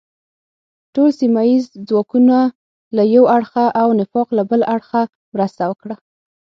ټول سیمه ییز ځواکونه له یو اړخه او نفاق له بل اړخه مرسته وکړه.